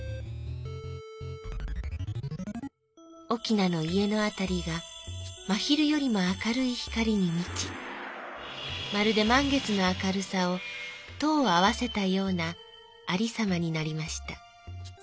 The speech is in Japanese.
「翁の家のあたりがま昼よりも明るい光にみちまるでまん月の明るさを十合わせたようなありさまになりました。